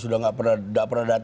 sudah nggak pernah datang dan